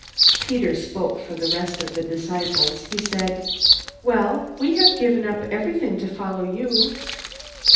Peter spoke for the rest of the disciples. He said, "Well, we have given up everything to follow you."